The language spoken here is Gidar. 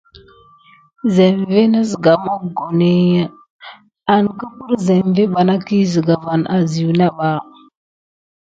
Zeŋvé iki na siga pak mokoni angəprire zeŋvé bana ki siga va asina basa bar.